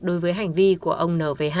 đối với hành vi của ông n v h